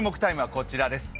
こちらです